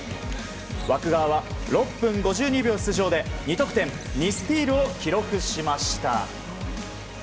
湧川は６分５２秒の出場で２得点２スティールを記録しました。